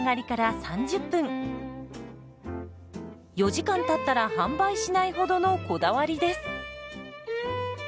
４時間たったら販売しないほどのこだわりです。